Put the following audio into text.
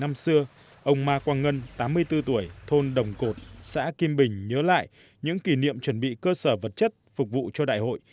năm xưa ông ma quang ngân tám mươi bốn tuổi thôn đồng cột xã kim bình nhớ lại những kỷ niệm chuẩn bị cơ sở vật chất phục vụ cho đại hội